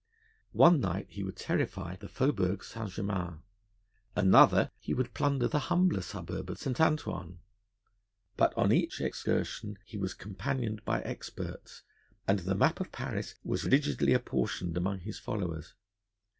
One night he would terrify the Faubourg St. Germain; another he would plunder the humbler suburb of St. Antoine; but on each excursion he was companioned by experts, and the map of Paris was rigidly apportioned among his followers.